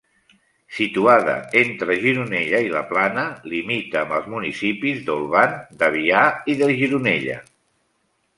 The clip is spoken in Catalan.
Situada entre Gironella i la Plana, limita amb els municipis d'Olvan, d'Avià i de Gironella.